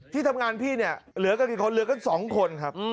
ที่ทำงานพี่เนี่ยเหลือกันกี่คนเหลือกัน๒คนครับ